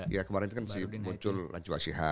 iya kemarin kan muncul raju asyikha